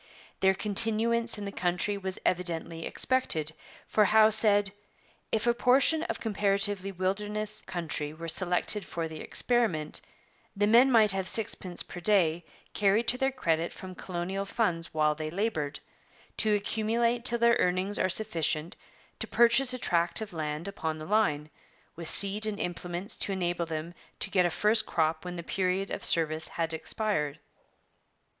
Their continuance in the country was evidently expected, for Howe said: 'If a portion of comparatively wilderness country were selected for the experiment, the men might have sixpence per day carried to their credit from colonial funds while they laboured, to accumulate till their earnings are sufficient to purchase a tract of land upon the line, with seed and implements to enable them to get a first crop when the period of service had expired.'